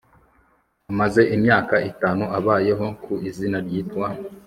amaze imyaka itanu abayeho ku izina ryitwa